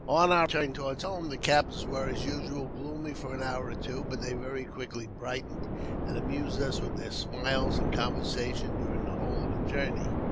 189 On our return toward home the captives were, as usual, gloomy for an hour or two ; but they very quickly brightened, and amused us with their smiles and conversation during the ; whole of the journey.